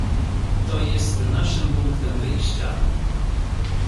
"To jest naszym punktem wyjścia."